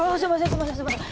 すいませんすいません。